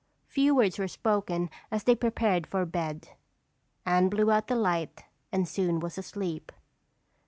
Few words were spoken as they prepared for bed. Anne blew out the light and soon was asleep.